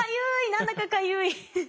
何だかかゆい。